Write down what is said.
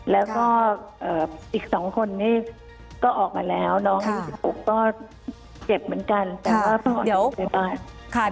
แล้วก็อีก๒คนนี่ก็ออกมาแล้วน้องอีก๖ก็เจ็บเหมือนกัน